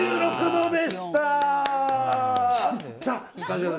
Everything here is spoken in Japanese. ２６度でした！